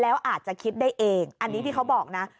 แล้วอาจจะคิดได้เองอันนี้ที่เขาบอกนะ